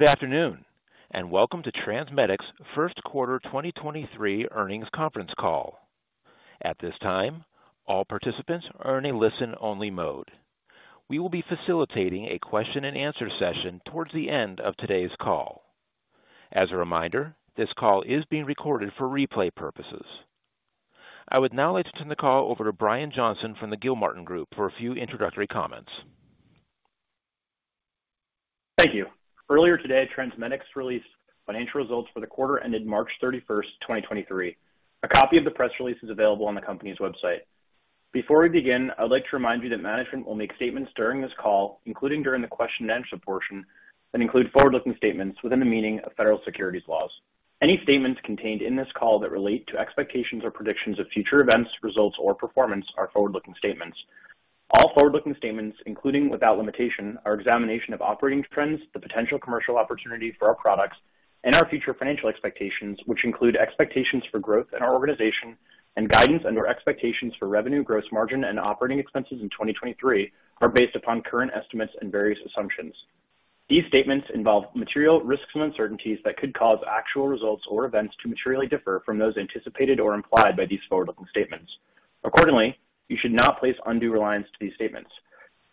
Good afternoon, and welcome to TransMedics' Q1 2023 Earnings Conference Call. At this time, all participants are in a listen-only mode. We will be facilitating a question and answer session towards the end of today's call. As a reminder, this call is being recorded for replay purposes. I would now like to turn the call over to Brian Johnston from the Gilmartin Group for a few introductory comments. Thank you. Earlier today, TransMedics released financial results for the quarter ended March 31, 2023. A copy of the press release is available on the company's website. Before we begin, I'd like to remind you that management will make statements during this call, including during the question and answer portion, that include forward-looking statements within the meaning of federal securities laws. Any statements contained in this call that relate to expectations or predictions of future events, results, or performance are forward-looking statements. All forward-looking statements, including without limitation, our examination of operating trends, the potential commercial opportunity for our products, and our future financial expectations, which include expectations for growth in our organization and guidance under expectations for revenue, gross margin, and operating expenses in 2023, are based upon current estimates and various assumptions. These statements involve material risks and uncertainties that could cause actual results or events to materially differ from those anticipated or implied by these forward-looking statements. Accordingly, you should not place undue reliance to these statements.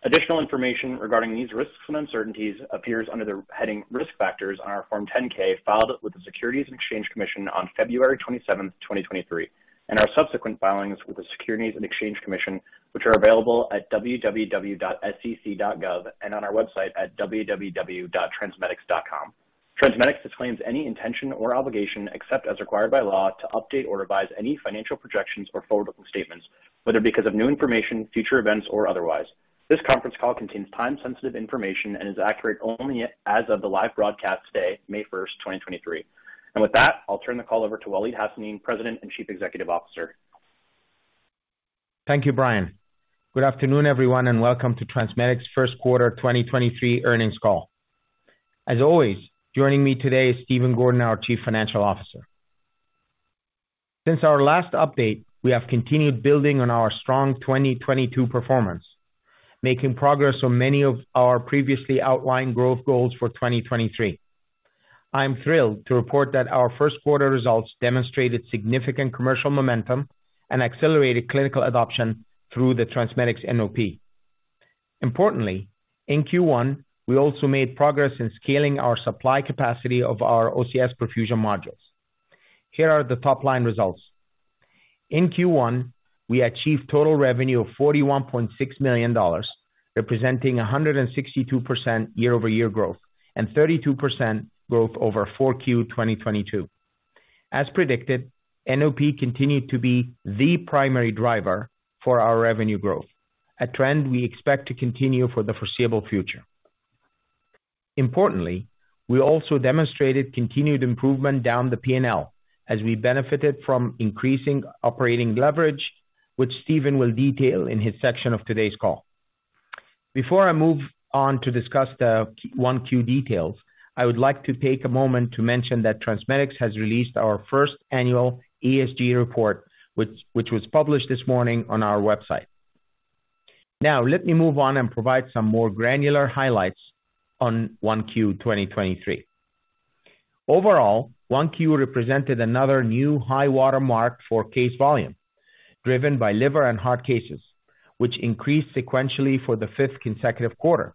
Additional information regarding these risks and uncertainties appears under the heading Risk Factors on our Form 10-K filed with the Securities and Exchange Commission on February 27th, 2023, and our subsequent filings with the Securities and Exchange Commission, which are available at www.sec.gov and on our website at www.transmedics.com. TransMedics disclaims any intention or obligation, except as required by law, to update or revise any financial projections or forward-looking statements, whether because of new information, future events, or otherwise. This conference call contains time-sensitive information and is accurate only as of the live broadcast day, May 1st, 2023. With that, I'll turn the call over to Waleed Hassanein, President and Chief Executive Officer. Thank you, Brian. Good afternoon, everyone, welcome to TransMedics' Q1 2023 earnings call. As always, joining me today is Stephen Gordon, our Chief Financial Officer. Since our last update, we have continued building on our strong 2022 performance, making progress on many of our previously outlined growth goals for 2023. I'm thrilled to report that our Q1 results demonstrated significant commercial momentum and accelerated clinical adoption through the TransMedics NOP. Importantly, in Q1, we also made progress in scaling our supply capacity of our OCS perfusion modules. Here are the top-line results. In Q1, we achieved total revenue of $41.6 million, representing 162% year-over-year growth and 32% growth over Q4 2022. As predicted, NOP continued to be the primary driver for our revenue growth, a trend we expect to continue for the foreseeable future. Importantly, we also demonstrated continued improvement down the P&L as we benefited from increasing operating leverage, which Stephen will detail in his section of today's call. Before I move on to discuss the Q1 details, I would like to take a moment to mention that TransMedics has released our first annual ESG report, which was published this morning on our website. Let me move on and provide some more granular highlights on Q1 2023. Overall, Q1 represented another new high watermark for case volume, driven by liver and heart cases, which increased sequentially for the fifth consecutive quarter.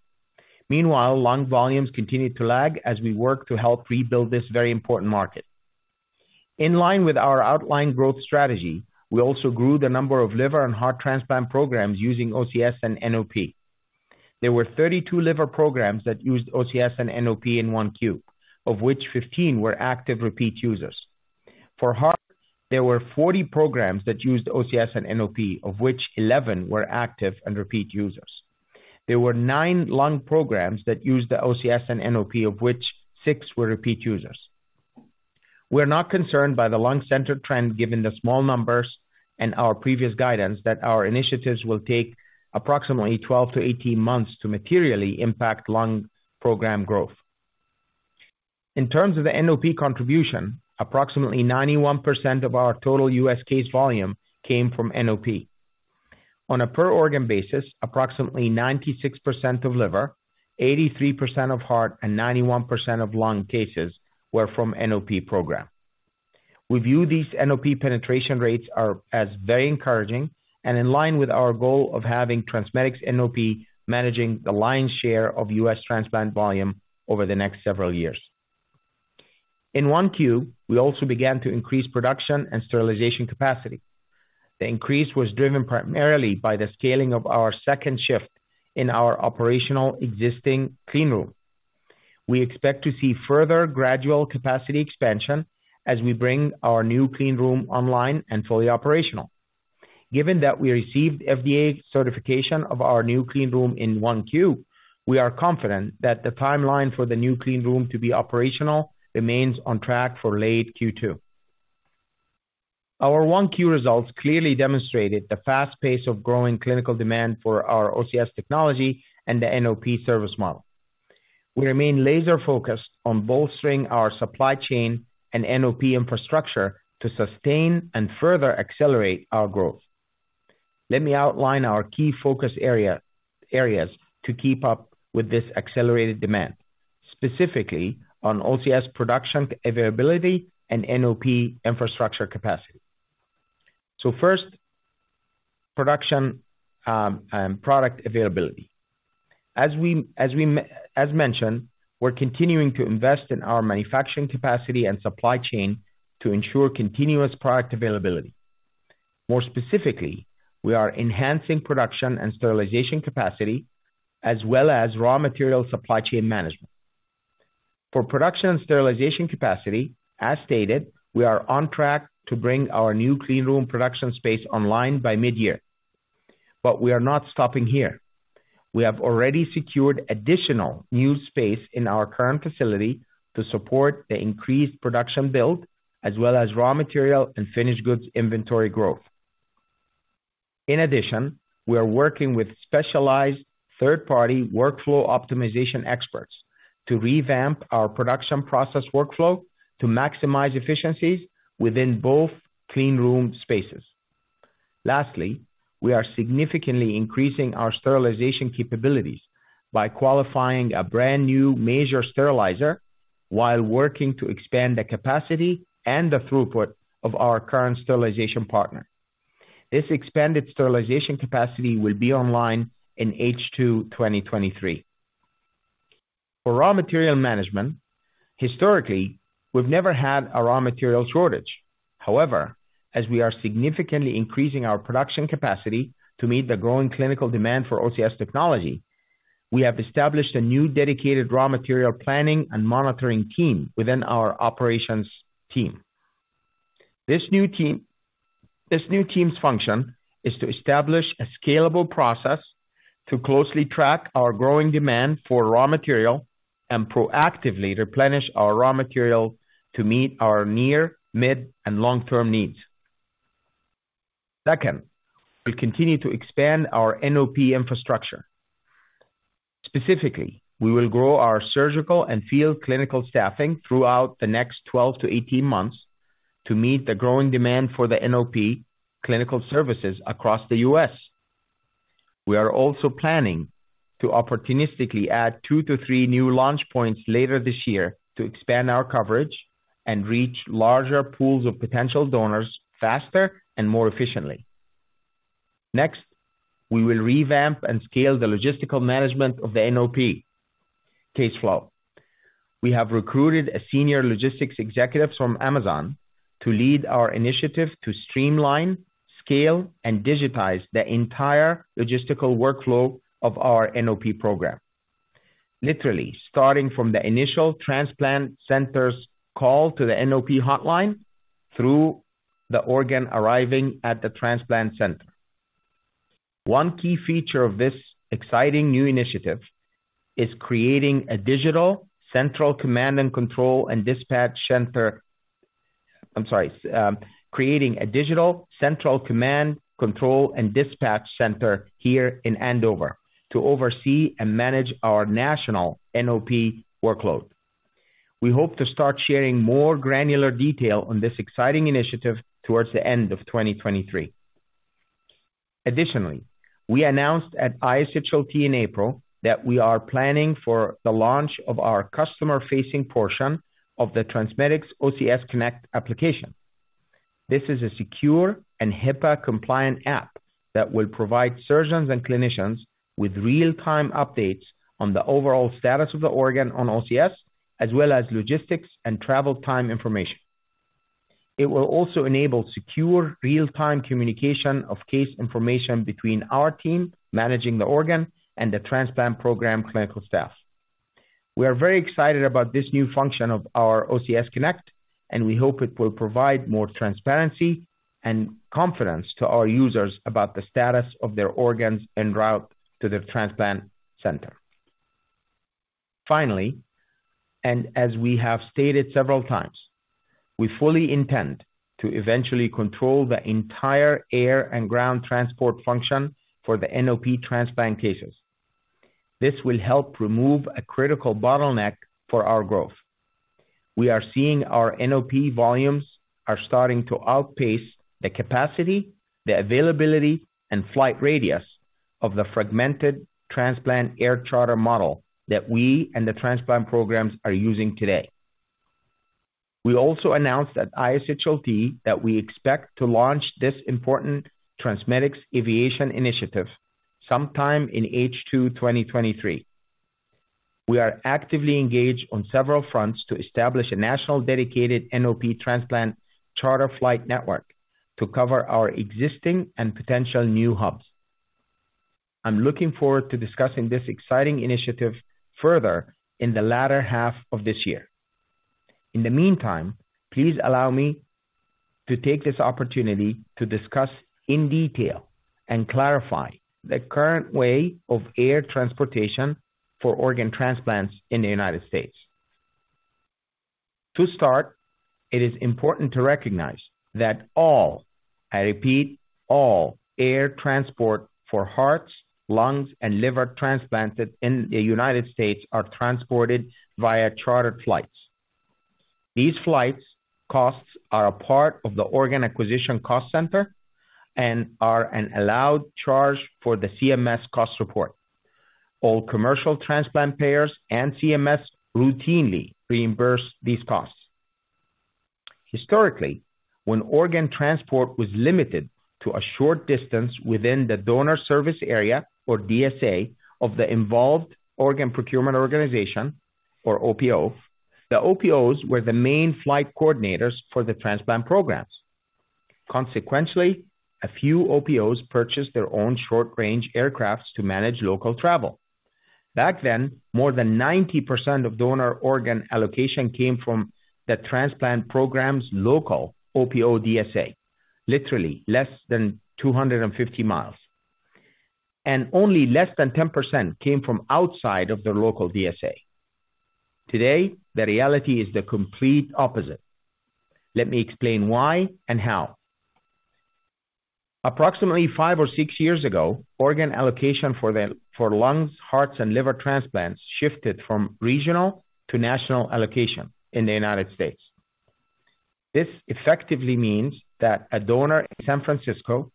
Meanwhile, lung volumes continued to lag as we work to help rebuild this very important market. In line with our outlined growth strategy, we also grew the number of liver and heart transplant programs using OCS and NOP. There were 32 liver programs that used OCS and NOP in Q1, of which 15 were active repeat users. For heart, there were 40 programs that used OCS and NOP, of which 11 were active and repeat users. There were nine lung programs that used the OCS and NOP, of which six were repeat users. We're not concerned by the lung center trend, given the small numbers and our previous guidance that our initiatives will take approximately 12-18 months to materially impact lung program growth. In terms of the NOP contribution, approximately 91% of our total U.S. case volume came from NOP. On a per organ basis, approximately 96% of liver, 83% of heart, and 91% of lung cases were from NOP program. We view these NOP penetration rates as very encouraging and in line with our goal of having TransMedics NOP managing the lion's share of U.S. transplant volume over the next several years. In Q1, we also began to increase production and sterilization capacity. The increase was driven primarily by the scaling of our second shift in our operational existing clean room. We expect to see further gradual capacity expansion as we bring our new clean room online and fully operational. Given that we received FDA certification of our new clean room in Q1, we are confident that the timeline for the new clean room to be operational remains on track for late Q2. Our Q1 results clearly demonstrated the fast pace of growing clinical demand for our OCS technology and the NOP service model. We remain laser-focused on bolstering our supply chain and NOP infrastructure to sustain and further accelerate our growth. Let me outline our key focus areas to keep up with this accelerated demand, specifically on OCS production availability and NOP infrastructure capacity. First, production and product availability. As mentioned, we're continuing to invest in our manufacturing capacity and supply chain to ensure continuous product availability. More specifically, we are enhancing production and sterilization capacity as well as raw material supply chain management. For production and sterilization capacity, as stated, we are on track to bring our new clean room production space online by mid-year. We are not stopping here. We have already secured additional new space in our current facility to support the increased production build, as well as raw material and finished goods inventory growth. In addition, we are working with specialized third-party workflow optimization experts to revamp our production process workflow to maximize efficiencies within both clean room spaces. Lastly, we are significantly increasing our sterilization capabilities by qualifying a brand-new major sterilizer while working to expand the capacity and the throughput of our current sterilization partner. This expanded sterilization capacity will be online in H2 2023. For raw material management, historically, we've never had a raw material shortage. However, as we are significantly increasing our production capacity to meet the growing clinical demand for OCS technology, we have established a new dedicated raw material planning and monitoring team within our operations team. This new team's function is to establish a scalable process to closely track our growing demand for raw material and proactively replenish our raw material to meet our near, mid, and long-term needs. Second, we continue to expand our NOP infrastructure. Specifically, we will grow our surgical and field clinical staffing throughout the next 12-18 months to meet the growing demand for the NOP clinical services across the U.S. We are also planning to opportunistically add 2-3 new launch points later this year to expand our coverage and reach larger pools of potential donors faster and more efficiently. Next, we will revamp and scale the logistical management of the NOP case flow. We have recruited a senior logistics executive from Amazon to lead our initiative to streamline, scale, and digitize the entire logistical workflow of our NOP program. Literally starting from the initial transplant centers call to the NOP hotline through the organ arriving at the transplant center. One key feature of this exciting new initiative is creating a digital central command and control and dispatch center. I'm sorry, creating a digital central command, control, and dispatch center here in Andover to oversee and manage our national NOP workload. We hope to start sharing more granular detail on this exciting initiative towards the end of 2023. Additionally, we announced at ISHLT in April that we are planning for the launch of our customer-facing portion of the TransMedics OCS Connect application. This is a secure and HIPAA-compliant app that will provide surgeons and clinicians with real-time updates on the overall status of the organ on OCS, as well as logistics and travel time information. It will also enable secure real-time communication of case information between our team managing the organ and the transplant program clinical staff. We are very excited about this new function of our OCS Connect, and we hope it will provide more transparency and confidence to our users about the status of their organs en route to the transplant center. Finally, as we have stated several times, we fully intend to eventually control the entire air and ground transport function for the NOP transplant cases. This will help remove a critical bottleneck for our growth. We are seeing our NOP volumes are starting to outpace the capacity, the availability, and flight radius of the fragmented transplant air charter model that we and the transplant programs are using today. We also announced at ISHLT that we expect to launch this important TransMedics Aviation initiative sometime in H2 2023. We are actively engaged on several fronts to establish a national dedicated NOP transplant charter flight network to cover our existing and potential new hubs. I'm looking forward to discussing this exciting initiative further in the latter half of this year. In the meantime, please allow me to take this opportunity to discuss in detail and clarify the current way of air transportation for organ transplants in the United States. To start, it is important to recognize that all, I repeat, all air transport for hearts, lungs, and liver transplanted in the United States are transported via charter flights. These flights costs are a part of the organ acquisition cost center and are an allowed charge for the CMS cost report. All commercial transplant payers and CMS routinely reimburse these costs. Historically, when organ transport was limited to a short distance within the donor service area or DSA of the involved organ procurement organization or OPO, the OPOs were the main flight coordinators for the transplant programs. Consequentially, a few OPOs purchased their own short-range aircrafts to manage local travel. Back then, more than 90% of donor organ allocation came from the transplant program's local OPO DSA, literally less than 250 miles, and only less than 10% came from outside of their local DSA. Today, the reality is the complete opposite. Let me explain why and how. Approximately 5 or 6 years ago, organ allocation for lungs, hearts, and liver transplants shifted from regional to national allocation in the United States. This effectively means that a donor in San Francisco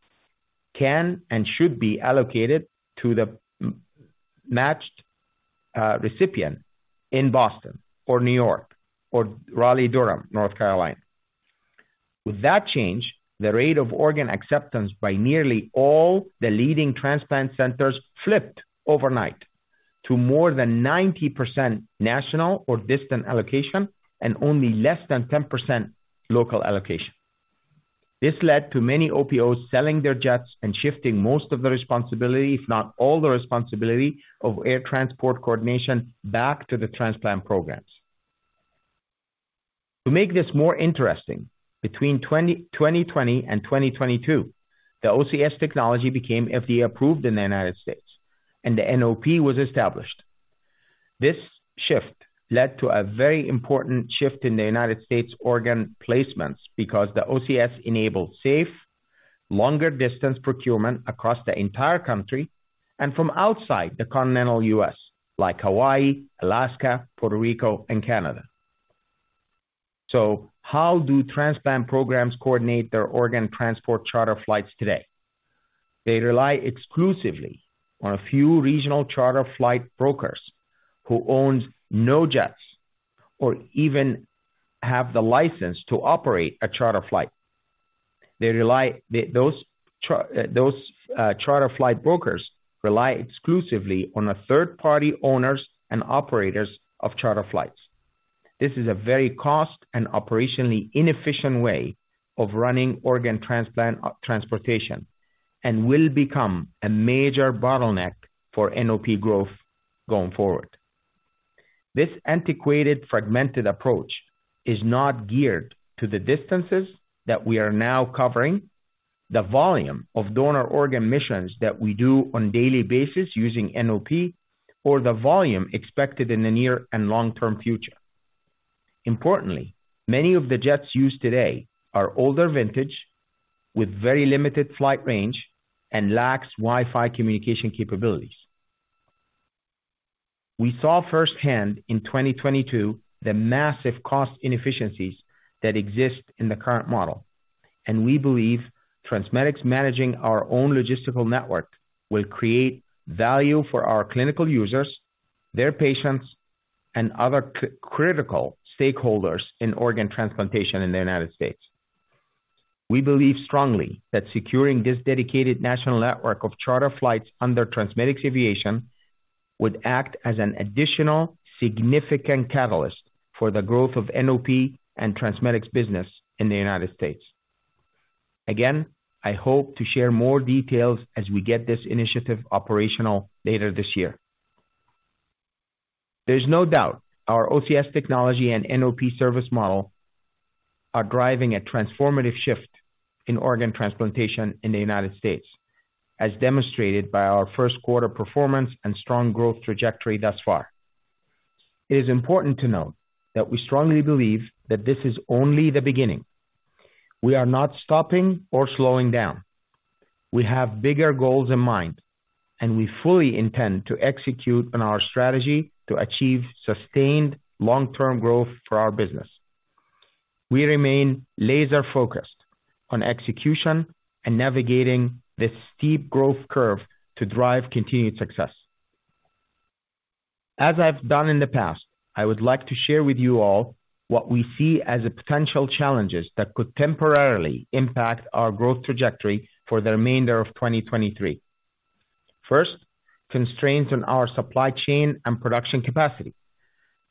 can and should be allocated to the matched recipient in Boston or New York or Raleigh-Durham, North Carolina. With that change, the rate of organ acceptance by nearly all the leading transplant centers flipped overnight to more than 90% national or distant allocation and only less than 10% local allocation. This led to many OPOs selling their jets and shifting most of the responsibility, if not all the responsibility, of air transport coordination back to the transplant programs. To make this more interesting, between 2020 and 2022, the OCS technology became FDA approved in the United States, and the NOP was established. This shift led to a very important shift in the United States organ placements because the OCS enabled safe, longer distance procurement across the entire country and from outside the continental US, like Hawaii, Alaska, Puerto Rico, and Canada. How do transplant programs coordinate their organ transport charter flights today? They rely exclusively on a few regional charter flight brokers who owns no jets or even have the license to operate a charter flight. Those charter flight brokers rely exclusively on a third-party owners and operators of charter flights. This is a very cost and operationally inefficient way of running organ transplant transportation and will become a major bottleneck for NOP growth going forward. This antiquated, fragmented approach is not geared to the distances that we are now covering, the volume of donor organ missions that we do on daily basis using NOP or the volume expected in the near and long-term future. Importantly, many of the jets used today are older vintage with very limited flight range and lacks Wi-Fi communication capabilities. We saw firsthand in 2022 the massive cost inefficiencies that exist in the current model. We believe TransMedics managing our own logistical network will create value for our clinical users, their patients, and other critical stakeholders in organ transplantation in the United States. We believe strongly that securing this dedicated national network of charter flights under TransMedics Aviation would act as an additional significant catalyst for the growth of NOP and TransMedics business in the United States. Again, I hope to share more details as we get this initiative operational later this year. There's no doubt our OCS technology and NOP service model are driving a transformative shift in organ transplantation in the United States, as demonstrated by our Q1 performance and strong growth trajectory thus far. It is important to note that we strongly believe that this is only the beginning. We are not stopping or slowing down. We have bigger goals in mind, we fully intend to execute on our strategy to achieve sustained long-term growth for our business. We remain laser-focused on execution and navigating this steep growth curve to drive continued success. As I've done in the past, I would like to share with you all what we see as the potential challenges that could temporarily impact our growth trajectory for the remainder of 2023. First, constraints on our supply chain and production capacity.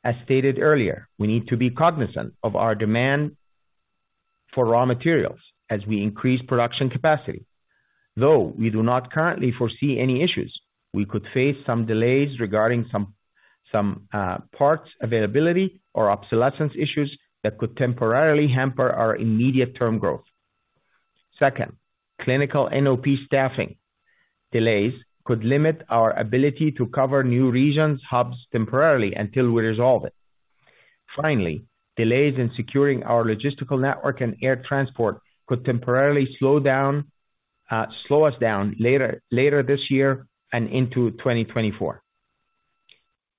As stated earlier, we need to be cognizant of our demand for raw materials as we increase production capacity. Though we do not currently foresee any issues, we could face some delays regarding some parts availability or obsolescence issues that could temporarily hamper our immediate term growth. Second, clinical NOP staffing delays could limit our ability to cover new regions hubs temporarily until we resolve it. Finally, delays in securing our logistical network and air transport could temporarily slow us down later this year and into 2024.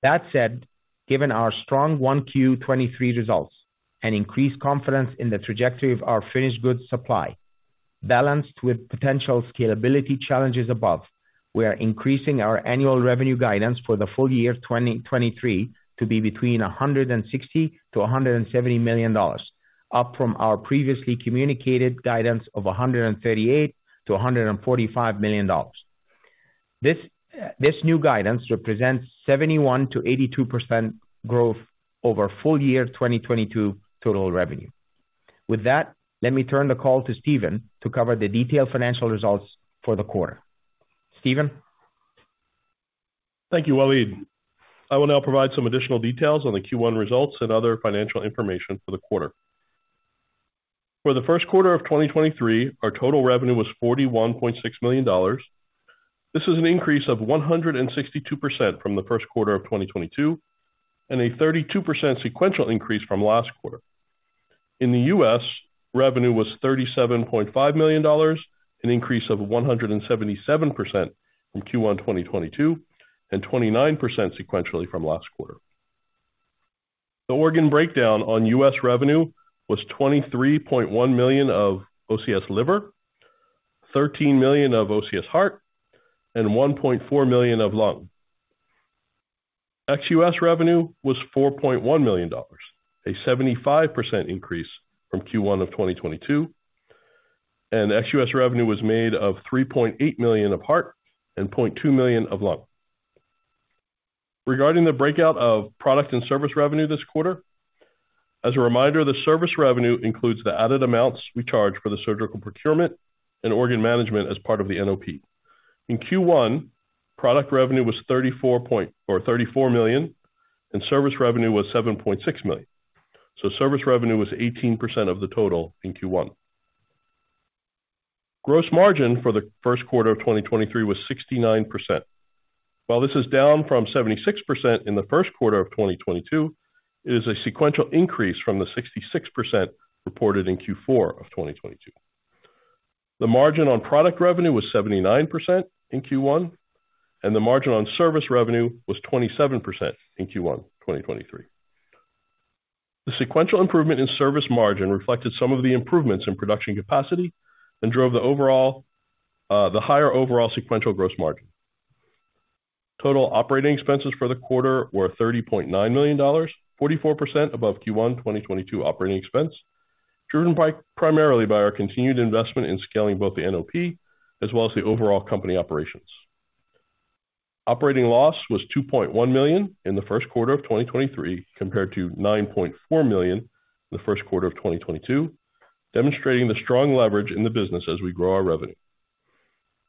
That said, given our strong Q1 2023 results and increased confidence in the trajectory of our finished goods supply, balanced with potential scalability challenges above, we are increasing our annual revenue guidance for the full year 2023 to be between $160 million-$170 million, up from our previously communicated guidance of $138 million-$145 million. This new guidance represents 71%-82% growth over full year 2022 total revenue. With that, let me turn the call to Stephen to cover the detailed financial results for the quarter. Stephen? Thank you, Waleed. I will now provide some additional details on the Q1 results and other financial information for the quarter. For the Q1 of 2023, our total revenue was $41.6 million. This is an increase of 162% from the Q1 of 2022 and a 32% sequential increase from last quarter. In the U.S., revenue was $37.5 million, an increase of 177% from Q1 2022 and 29% sequentially from last quarter. The organ breakdown on U.S. revenue was $23.1 million of OCS Liver, $13 million of OCS Heart, and $1.4 million of Lung. Ex-US revenue was $4.1 million, a 75% increase from Q1 of 2022. Ex-US revenue was made of $3.8 million of heart and $0.2 million of lung. Regarding the breakout of product and service revenue this quarter, as a reminder, the service revenue includes the added amounts we charge for the surgical procurement and organ management as part of the NOP. In Q1, product revenue was $34 million and service revenue was $7.6 million. Service revenue was 18% of the total in Q1. Gross margin for the Q1 of 2023 was 69%. While this is down from 76% in the Q1 of 2022, it is a sequential increase from the 66% reported in Q4 of 2022. The margin on product revenue was 79% in Q1, and the margin on service revenue was 27% in Q1 2023. The sequential improvement in service margin reflected some of the improvements in production capacity and drove the overall, the higher overall sequential gross margin. Total operating expenses for the quarter were $30.9 million, 44% above Q1 2022 operating expense, primarily by our continued investment in scaling both the NOP as well as the overall company operations. Operating loss was $2.1 million in the Q1 of 2023, compared to $9.4 million in the Q1 of 2022, demonstrating the strong leverage in the business as we grow our revenue.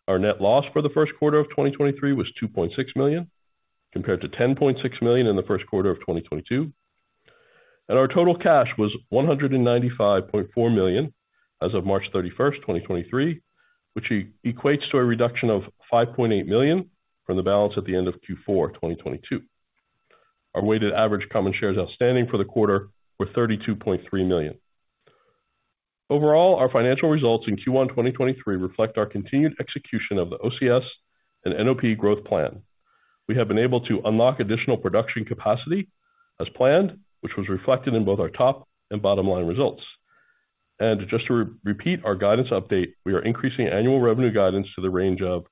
Our net loss for the Q1 of 2023 was $2.6 million, compared to $10.6 million in the Q1 of 2022. Our total cash was $195.4 million as of March 31st, 2023, which equates to a reduction of $5.8 million from the balance at the end of Q4 2022. Our weighted average common shares outstanding for the quarter were 32.3 million. Overall, our financial results in Q1 2023 reflect our continued execution of the OCS and NOP growth plan. We have been able to unlock additional production capacity as planned, which was reflected in both our top and bottom line results. Just to re-repeat our guidance update, we are increasing annual revenue guidance to the range of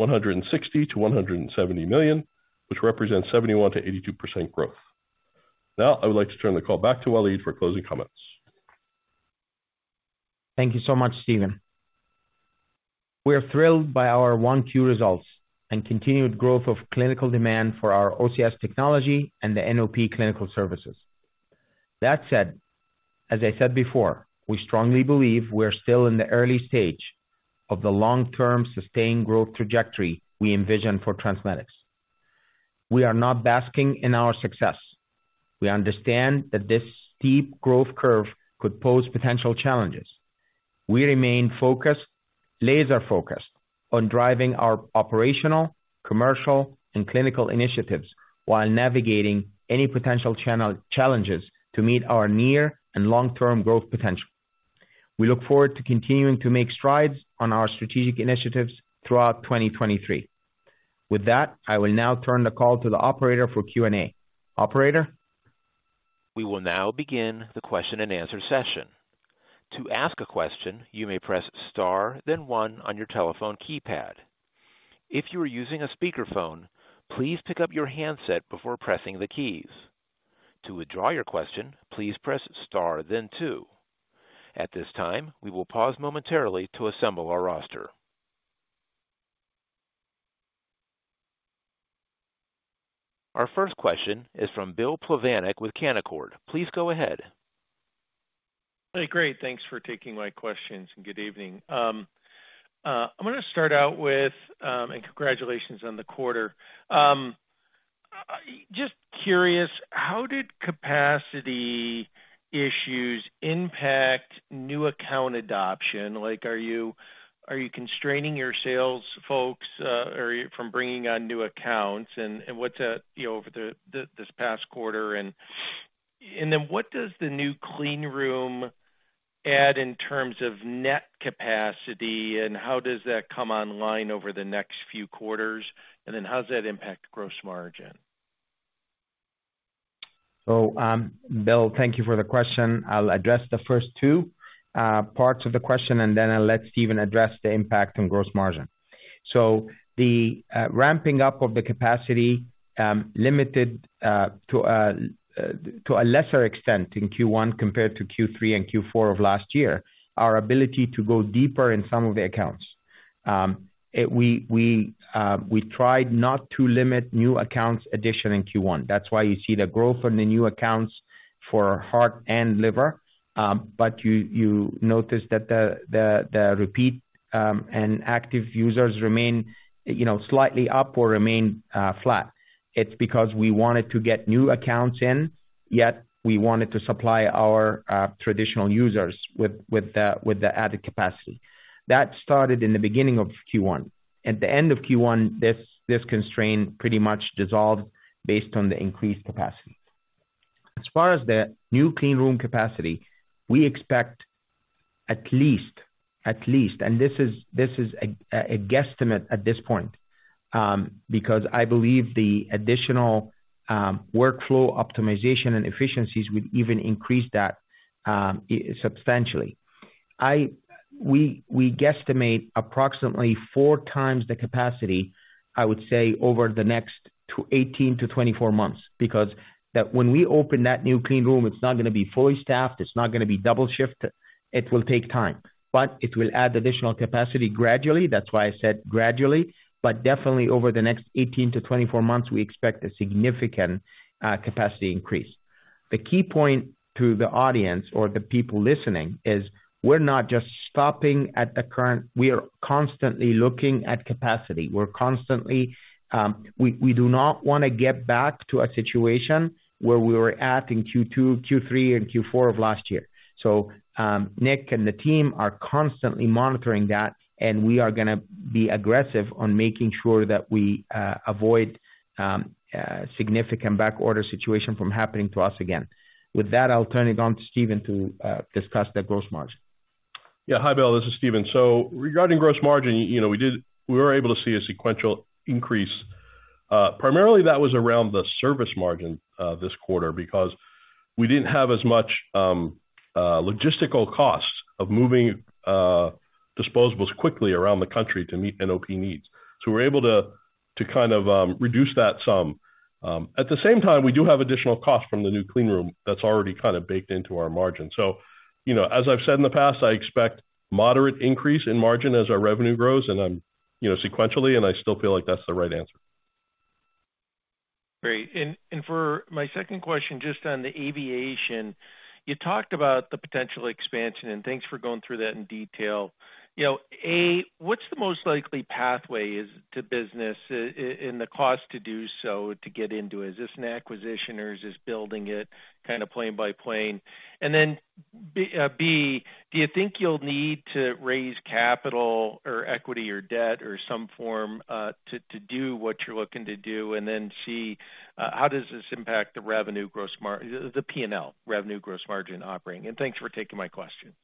$160 million-$170 million, which represents 71%-82% growth. Now I would like to turn the call back to Waleed for closing comments. Thank you so much, Stephen. We are thrilled by our Q1 results and continued growth of clinical demand for our OCS technology and the NOP clinical services. That said, as I said before, we strongly believe we are still in the early stage of the long-term sustained growth trajectory we envision for TransMedics. We are not basking in our success. We understand that this steep growth curve could pose potential challenges. We remain focused, laser-focused on driving our operational, commercial, and clinical initiatives while navigating any potential channel challenges to meet our near and long-term growth potential. We look forward to continuing to make strides on our strategic initiatives throughout 2023. With that, I will now turn the call to the operator for Q&A. Operator? We will now begin the question and answer session. To ask a question, you may press star then one on your telephone keypad. If you are using a speakerphone, please pick up your handset before pressing the keys. To withdraw your question, please press star then two. At this time, we will pause momentarily to assemble our roster. Our first question is from Bill Plovanic with Canaccord. Please go ahead. Hey, great. Thanks for taking my questions and good evening. I'm going to start out with. Congratulations on the quarter. Just curious, how did capacity issues impact new account adoption? Like, are you constraining your sales folks from bringing on new accounts and what, you know, over this past quarter? What does the new clean room add in terms of net capacity, and how does that come online over the next few quarters? How does that impact gross margin? Bill, thank you for the question. I'll address the first two parts of the question, and then I'll let Stephen address the impact on gross margin. The ramping up of the capacity limited to a lesser extent in Q1 compared to Q3 and Q4 of last year, our ability to go deeper in some of the accounts. We tried not to limit new accounts addition in Q1. That's why you see the growth in the new accounts for Heart and Liver. You notice that the repeat and active users remain, you know, slightly up or remain flat. It's because we wanted to get new accounts in, yet we wanted to supply our traditional users with the added capacity. That started in the beginning of Q1. At the end of Q1, this constraint pretty much dissolved based on the increased capacity. As far as the new clean room capacity, we expect at least, and this is a guesstimate at this point, because I believe the additional workflow optimization and efficiencies would even increase that substantially. We guesstimate approximately 4x the capacity, I would say, over the next 18-24 months, because when we open that new clean room, it's not going to be fully staffed, it's not going to be double shifted. It will take time, but it will add additional capacity. That's why I said gradually, but definitely over the next 18-24 months, we expect a significant capacity increase. The key point to the audience or the people listening is we're not just stopping at the current. We are constantly looking at capacity. We're constantly. We do not want to get back to a situation where we were at in Q2, Q3, and Q4 of last year. Nick and the team are constantly monitoring that, and we are going to be aggressive on making sure that we avoid significant back order situation from happening to us again. With that, I'll turn it on to Stephen to discuss the gross margin. Hi, Bill. This is Stephen. Regarding gross margin, you know, we were able to see a sequential increase. primarily that was around the service margin this quarter because we didn't have as much logistical costs of moving disposables quickly around the country to meet NOP needs. We're able to reduce that some. At the same time, we do have additional costs from the new clean room that's already baked into our margin. You know, as I've said in the past, I expect moderate increase in margin as our revenue grows, you know, sequentially, and I still feel like that's the right answer. Great. For my second question, just on the aviation, you talked about the potential expansion, and thanks for going through that in detail. You know, A, what's the most likely pathway is to business and the cost to do so to get into it? Is this an acquisition or is this building it plane by plane? Then B, do you think you'll need to raise capital or equity or debt or some form to do what you're looking to do? Then see, how does this impact the P&L revenue gross margin operating? Thanks for taking my question.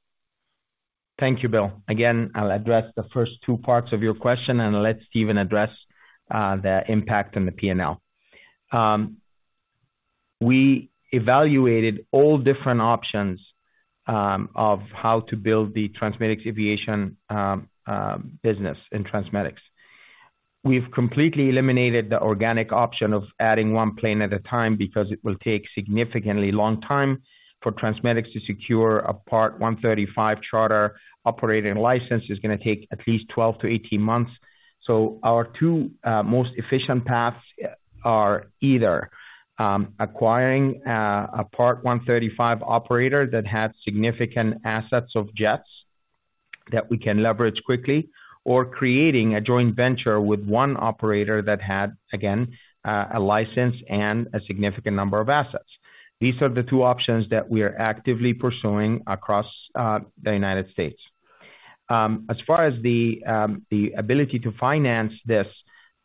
Thank you, Bill. Again, I'll address the first two parts of your question, and let Stephen address the impact on the P&L. We evaluated all different options of how to build the TransMedics Aviation business in TransMedics. We've completely eliminated the organic option of adding one plane at a time because it will take significantly long time for TransMedics to secure a Part 135 charter operating license. It's going to take at least 12-18 months. Our two most efficient paths are either acquiring a Part 135 operator that has significant assets of jets that we can leverage quickly or creating a joint venture with one operator that had, again, a license and a significant number of assets. These are the two options that we are actively pursuing across the United States. As far as the ability to finance this,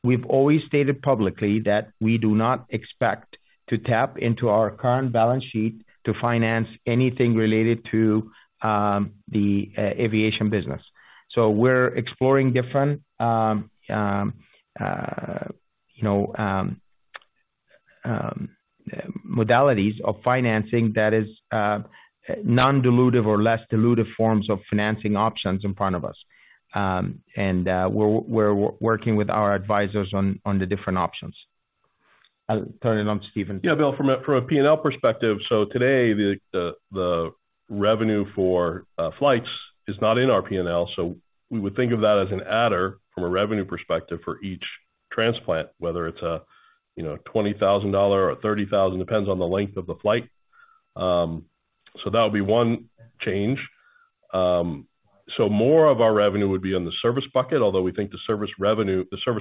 we've always stated publicly that we do not expect to tap into our current balance sheet to finance anything related to the aviation business. We're exploring different, you know, modalities of financing that is non-dilutive or less dilutive forms of financing options in front of us. We're working with our advisors on the different options. I'll turn it on to Stephen. Yeah, Bill, from a P&L perspective. Today the revenue for flights is not in our P&L. We would think of that as an adder from a revenue perspective for each transplant, whether it's a, you know, $20,000 or $30,000, depends on the length of the flight. That would be one change. More of our revenue would be in the service bucket, although we think the service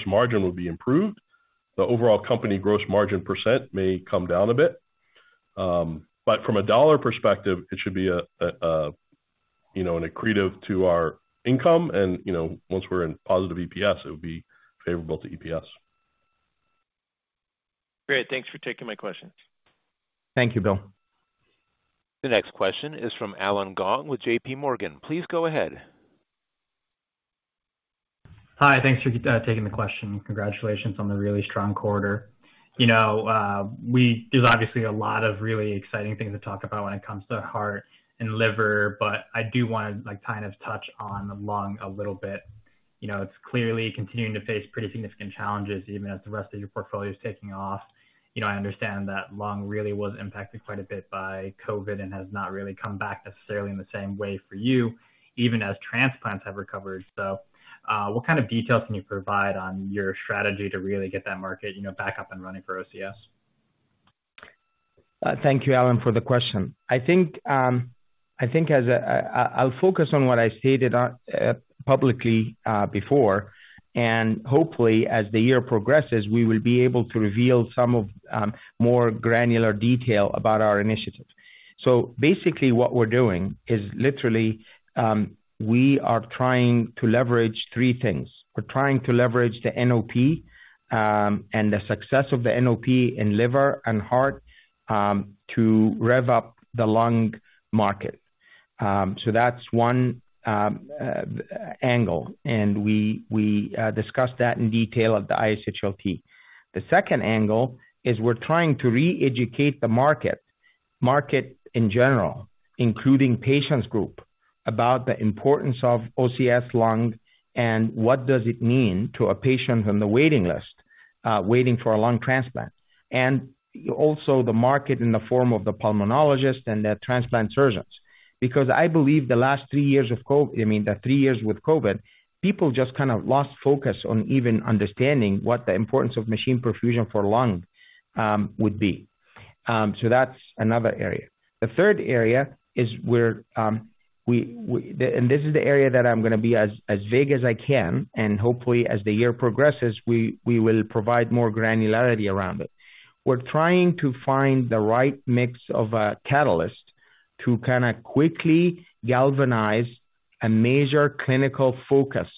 margin would be improved. The overall company gross margin % may come down a bit. From a dollar perspective, it should be a, you know, an accretive to our income and, you know, once we're in positive EPS, it would be favorable to EPS. Great. Thanks for taking my question. Thank you, Bill. The next question is from Allen Gong with JPMorgan. Please go ahead. Hi. Thanks for taking the question. Congratulations on the really strong quarter. You know, there's obviously a lot of really exciting things to talk about when it comes to heart and liver, but I do want to, like, touch on the lung a little bit. You know, it's clearly continuing to face pretty significant challenges even as the rest of your portfolio is taking off. You know, I understand that lung really was impacted quite a bit by COVID and has not really come back necessarily in the same way for you, even as transplants have recovered. What details can you provide on your strategy to really get that market, you know, back up and running for OCS? Thank you, Allen, for the question. I think I'll focus on what I stated on publicly before. Hopefully as the year progresses, we will be able to reveal some of more granular detail about our initiatives. Basically what we're doing is literally we are trying to leverage three things. We're trying to leverage the NOP and the success of the NOP in liver and heart to rev up the lung market. That's one angle and we discussed that in detail at the ISHLT. The second angle is we're trying to re-educate the market in general, including patients group, about the importance of OCS Lung and what does it mean to a patient on the waiting list, waiting for a lung transplant, and also the market in the form of the pulmonologist and the transplant surgeons. I believe the three years with COVID, people just lost focus on even understanding what the importance of machine perfusion for lung would be. That's another area. The third area is where we, and this is the area that I'm going to be as vague as I can, and hopefully as the year progresses, we will provide more granularity around it. We're trying to find the right mix of a catalyst to kinda quickly galvanize a major clinical focus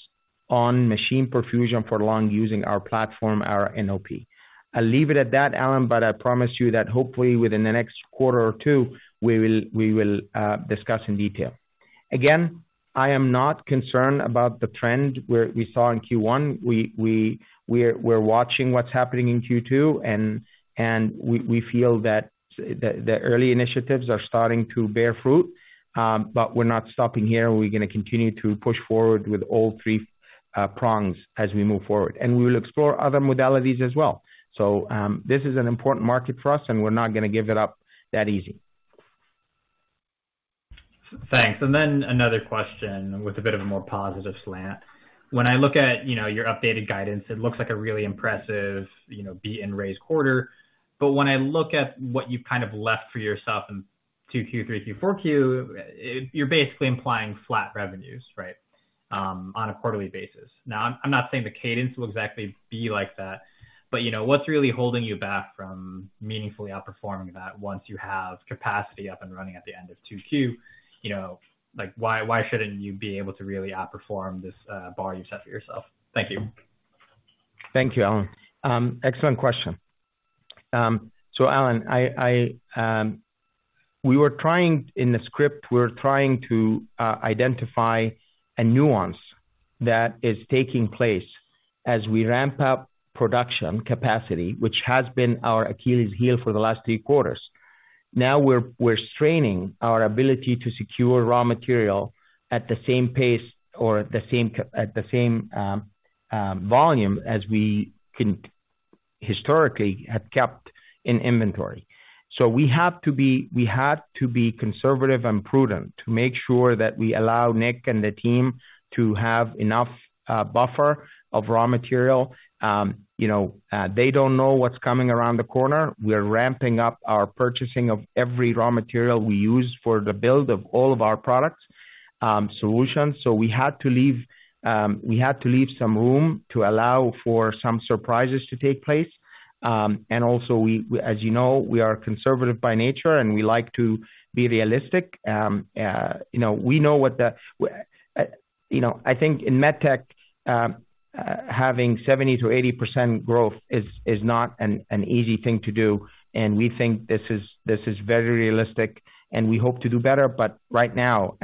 on machine perfusion for lung using our platform, our NOP. I'll leave it at that, Allen, but I promise you that hopefully within the next quarter or two, we will discuss in detail. Again, I am not concerned about the trend where we saw in Q1. We're watching what's happening in Q2 and we feel that the early initiatives are starting to bear fruit. We're not stopping here. We're going to continue to push forward with all three prongs as we move forward. We will explore other modalities as well. This is an important market for us, and we're not going to give it up that easy. Thanks. Then another question with a bit of a more positive slant. When I look at, you know, your updated guidance, it looks like a really impressive, you know, B and raised quarter. When I look at what you've left for yourself in Q2, Q3, Q4, you're basically implying flat revenues, right? On a quarterly basis. Now, I'm not saying the cadence will exactly be like that, but, you know, what's really holding you back from meaningfully outperforming that once you have capacity up and running at the end of Q2? You know, like why shouldn't you be able to really outperform this, bar you set for yourself? Thank you. Thank you, Allen. Excellent question. Allen, in the script, we're trying to identify a nuance that is taking place as we ramp up production capacity, which has been our Achilles heel for the last three quarters. We're straining our ability to secure raw material at the same pace or at the same volume as we can historically have kept in inventory. We have to be conservative and prudent to make sure that we allow Nick and the team to have enough buffer of raw material. You know, they don't know what's coming around the corner. We're ramping up our purchasing of every raw material we use for the build of all of our products, solutions. We had to leave some room to allow for some surprises to take place. We, as you know, we are conservative by nature, and we like to be realistic. You know, we know what the, you know, I think in med tech, having 70%-80% growth is not an easy thing to do, and we think this is very realistic and we hope to do better. Right now,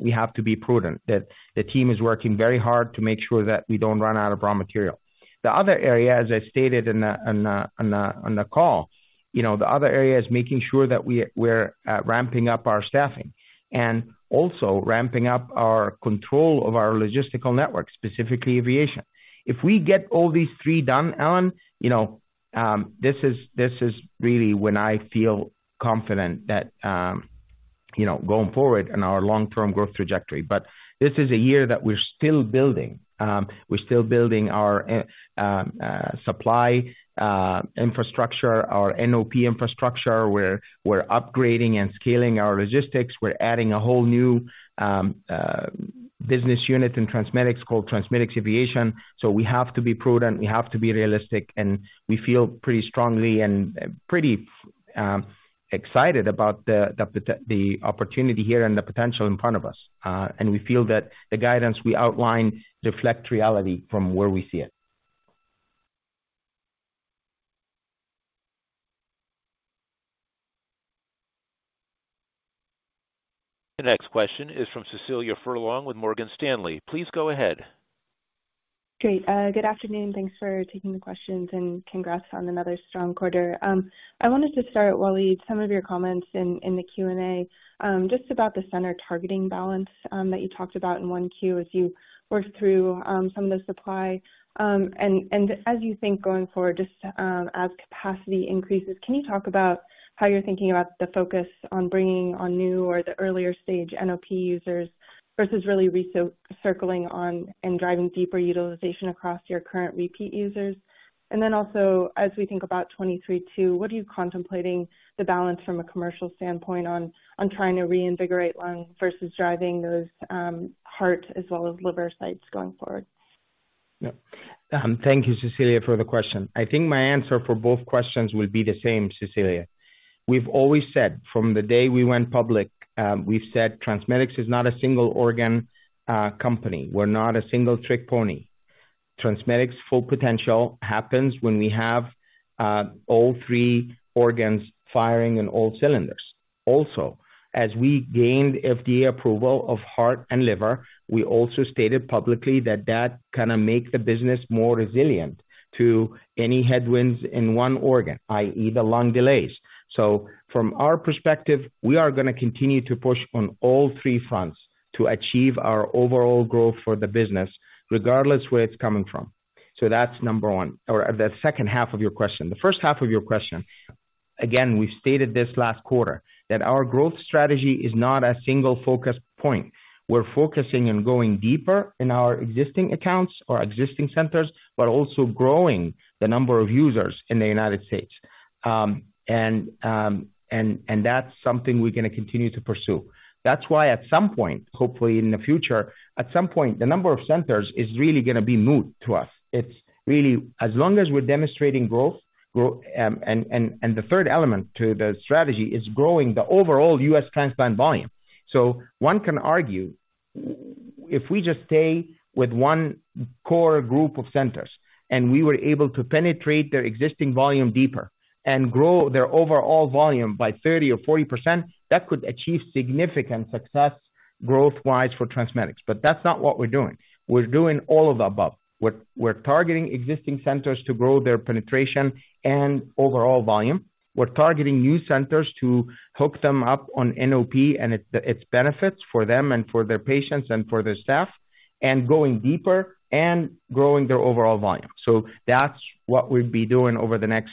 we have to be prudent. The team is working very hard to make sure that we don't run out of raw material. The other area, as I stated on the call, the other area is making sure that we're ramping up our staffing and also ramping up our control of our logistical network, specifically aviation. If we get all these three done, Allen, this is really when I feel confident that going forward in our long-term growth trajectory. This is a year that we're still building. We're still building our supply infrastructure, our NOP infrastructure. We're upgrading and scaling our logistics. We're adding a whole new business unit in TransMedics called TransMedics Aviation. We have to be prudent, we have to be realistic, and we feel pretty strongly and pretty excited about the opportunity here and the potential in front of us. We feel that the guidance we outlined reflect reality from where we see it. The next question is from Cecilia Furlong with Morgan Stanley. Please go ahead. Great. Good afternoon. Thanks for taking the questions and congrats on another strong quarter. I wanted to start, Waleed, some of your comments in the Q&A, just about the center targeting balance that you talked about in Q1 as you work through some of the supply. As you think going forward, just as capacity increases, can you talk about how you're thinking about the focus on bringing on new or the earlier stage NOP users versus really re-circling on and driving deeper utilization across your current repeat users? Also, as we think about 23 2, what are you contemplating the balance from a commercial standpoint on trying to reinvigorate lung versus driving those heart as well as liver sites going forward? Yeah. Thank you, Cecilia, for the question. I think my answer for both questions will be the same, Cecilia. We've always said from the day we went public, we've said TransMedics is not a single organ company. We're not a single-trick pony. TransMedics full potential happens when we have all three organs firing in all cylinders. Also, as we gained FDA approval of heart and liver, we also stated publicly that that kinda make the business more resilient to any headwinds in one organ, i.e. the lung delays. From our perspective, we are going to continue to push on all three fronts to achieve our overall growth for the business, regardless where it's coming from. That's number one. The H2 of your question. The H1 of your question, again, we stated this last quarter that our growth strategy is not a single focus point. We're focusing on going deeper in our existing accounts or existing centers, but also growing the number of users in the United States. That's something we're going to continue to pursue. That's why at some point, hopefully in the future, at some point, the number of centers is really going to be moot to us. It's really as long as we're demonstrating growth. The third element to the strategy is growing the overall U.S. transplant volume. One can argue if we just stay with one core group of centers, and we were able to penetrate their existing volume deeper and grow their overall volume by 30% or 40%, that could achieve significant success growth-wise for TransMedics. That's not what we're doing. We're doing all of the above. We're targeting existing centers to grow their penetration and overall volume. We're targeting new centers to hook them up on NOP and its benefits for them and for their patients and for their staff, and going deeper and growing their overall volume. That's what we'll be doing over the next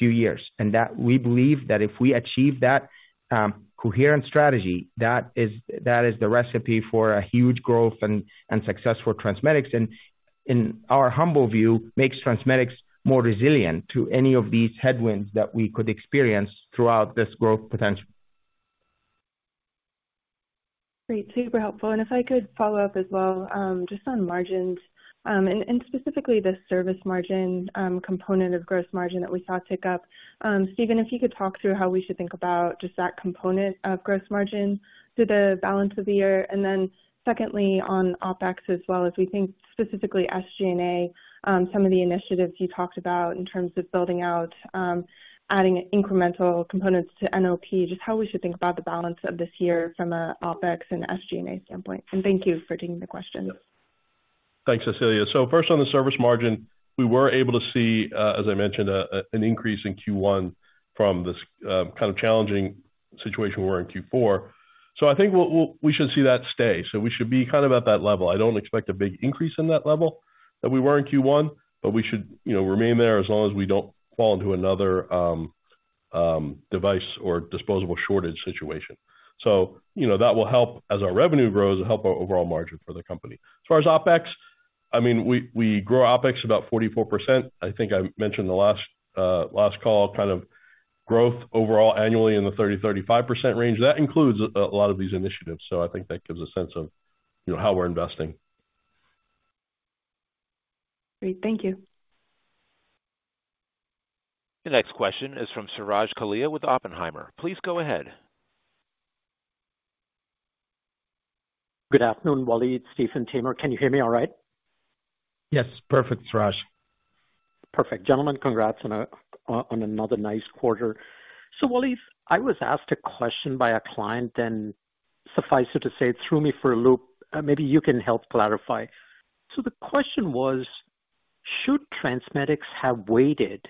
few years. That we believe that if we achieve that coherent strategy, that is the recipe for a huge growth and success for TransMedics, and in our humble view, makes TransMedics more resilient to any of these headwinds that we could experience throughout this growth potential. Great. Super helpful. If I could follow up as well, just on margins, and specifically the service margin component of gross margin that we saw tick up. Stephen, if you could talk through how we should think about just that component of gross margin through the balance of the year. Secondly, on OpEx as well, as we think specifically SG&A, some of the initiatives you talked about in terms of building out, adding incremental components to NOP, just how we should think about the balance of this year from a OpEx and SG&A standpoint. Thank you for taking the question. Yeah. Thanks, Cecilia. First on the service margin, we were able to see, as I mentioned, an increase in Q1 from this challenging situation we're in Q4. I think we should see that stay. We should be at that level. I don't expect a big increase in that level that we were in Q1, but we should, you know, remain there as long as we don't fall into another device or disposable shortage situation. You know, that will help as our revenue grows, it help our overall margin for the company. As far as OpEx, I mean, we grow OpEx about 44%. I think I mentioned the last last call growth overall annually in the 30%-35% range. That includes a lot of these initiatives.I think that gives a sense of, you know, how we're investing. Great. Thank you. The next question is from Suraj Kalia with Oppenheimer. Please go ahead. Good afternoon, Waleed, Stephen, Tamer. Can you hear me all right? Yes. Perfect, Suraj. Perfect. Gentlemen, congrats on another nice quarter. Waleed, I was asked a question by a client and suffice it to say it threw me for a loop. Maybe you can help clarify. The question was, should TransMedics have waited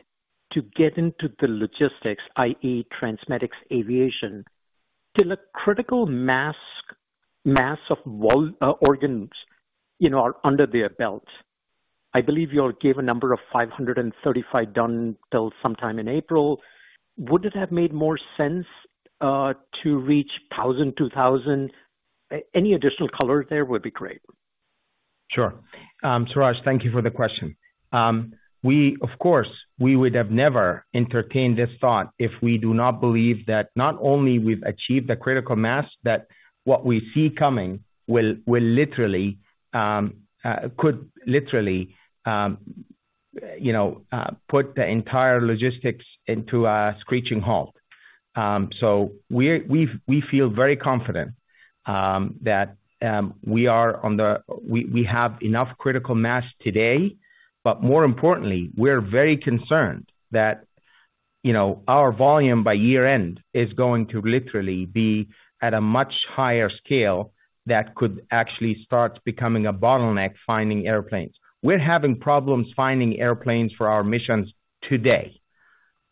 to get into the logistics, i.e. TransMedics Aviation, till a critical mass of organs, you know, are under their belt? I believe you all gave a number of 535 done till sometime in April. Would it have made more sense to reach 1,000, 2,000? Any additional color there would be great. Sure. Suraj, thank you for the question. We, of course, we would have never entertained this thought if we do not believe that not only we've achieved the critical mass, that what we see coming will literally, could literally, you know, put the entire logistics into a screeching halt. So we feel very confident that we have enough critical mass today, but more importantly, we're very concerned that. You know, our volume by year end is going to literally be at a much higher scale that could actually start becoming a bottleneck finding airplanes. We're having problems finding airplanes for our missions today,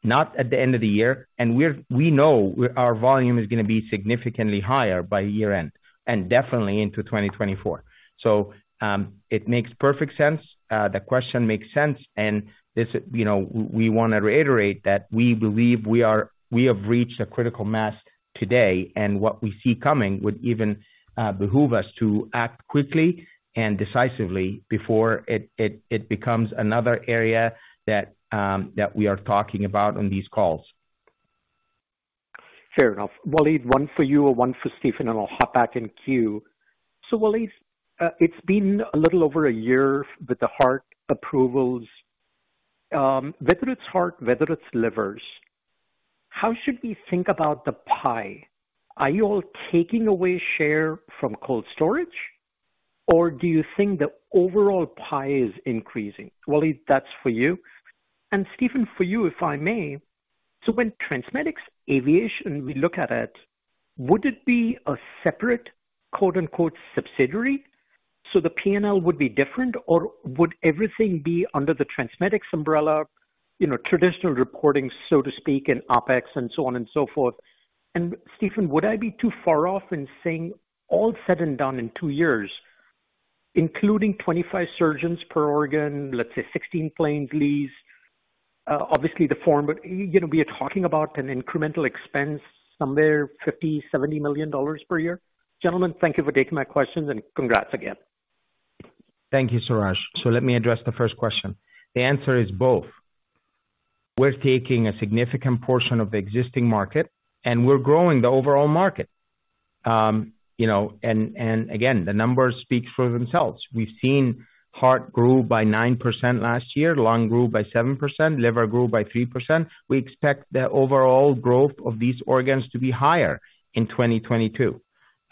not at the end of the year. We know our volume is going to be significantly higher by year end and definitely into 2024. It makes perfect sense. The question makes sense. This, you know, we want to reiterate that we believe we have reached a critical mass today, and what we see coming would even behoove us to act quickly and decisively before it becomes another area that we are talking about on these calls. Fair enough. Waleed, one for you or one for Stephen, and I'll hop back in queue. Waleed, it's been a little over a year with the heart approvals. Whether it's heart, whether it's livers, how should we think about the pie? Are you all taking away share from cold storage or do you think the overall pie is increasing? Waleed, that's for you. Stephen, for you, if I may. When TransMedics Aviation, we look at it, would it be a separate quote-unquote, subsidiary, so the P&L would be different? Or would everything be under the TransMedics umbrella, you know, traditional reporting, so to speak, and OpEx and so on and so forth. Stephen, would I be too far off in saying all said and done in two years, including 25 surgeons per organ, let's say 16 planes leased, obviously the form, but, you know, we are talking about an incremental expense somewhere $50 million-$70 million per year? Gentlemen, thank you for taking my questions and congrats again. Thank you, Suraj. Let me address the first question. The answer is both. We're taking a significant portion of the existing market, and we're growing the overall market. you know, and again, the numbers speak for themselves. We've seen heart grew by 9% last year, lung grew by 7%, liver grew by 3%. We expect the overall growth of these organs to be higher in 2022.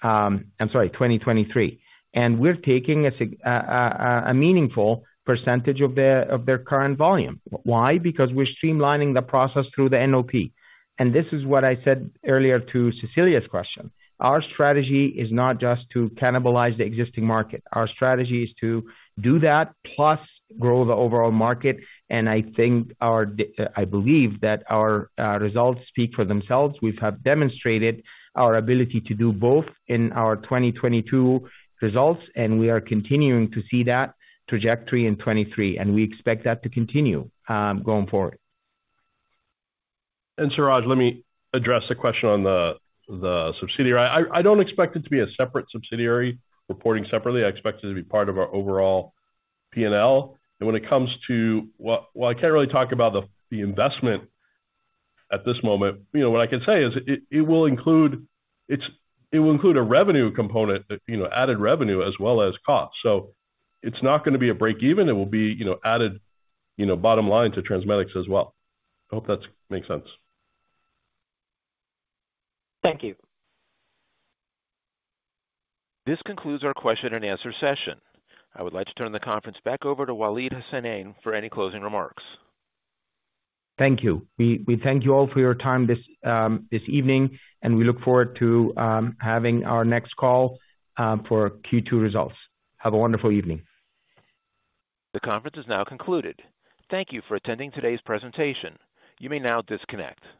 I'm sorry, 2023. We're taking a meaningful percentage of their, of their current volume. Why? Because we're streamlining the process through the NOP. This is what I said earlier to Cecilia's question. Our strategy is not just to cannibalize the existing market. Our strategy is to do that plus grow the overall market, and I think I believe that our results speak for themselves. We have demonstrated our ability to do both in our 2022 results, and we are continuing to see that trajectory in 2023, and we expect that to continue going forward. Suraj, let me address the question on the subsidiary. I don't expect it to be a separate subsidiary reporting separately. I expect it to be part of our overall P&L. Well, I can't really talk about the investment at this moment. You know, what I can say is it will include a revenue component, you know, added revenue as well as cost. It's not going to be a break even. It will be, you know, added, you know, bottom line to TransMedics as well. I hope that's makes sense. Thank you. This concludes our question and answer session. I would like to turn the conference back over to Waleed Hassanein for any closing remarks. Thank you. We thank you all for your time this evening, and we look forward to having our next call for Q-two results. Have a wonderful evening. The conference is now concluded. Thank you for attending today's presentation. You may now disconnect.